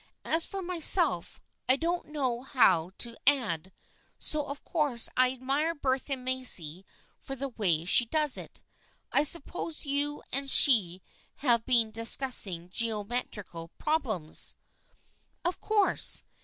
"As for myself, I don't know how to add, so of course I admire Bertha Macy for the way she does it. I suppose you and she have been discussing geometrical problems." " Of course.